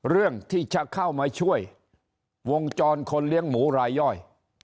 เรื่องที่จะเข้ามาช่วยวงจรคนเลี้ยงหมูรายย่อย